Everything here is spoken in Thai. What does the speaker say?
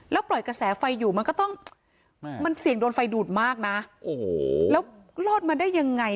แล้วปล่อยกระแสไฟอยู่มันก็ต้องมันเสี่ยงโดนไฟดูดมากนะโอ้โหแล้วรอดมาได้ยังไง